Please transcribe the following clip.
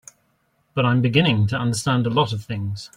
But I'm beginning to understand a lot of things.